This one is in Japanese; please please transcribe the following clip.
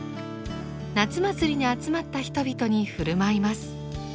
夏祭りに集まった人々に振る舞います。